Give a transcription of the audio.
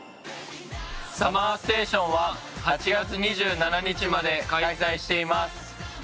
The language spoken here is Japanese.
ＳＵＭＭＥＲＳＴＡＴＩＯＮは８月２７日まで開催しています。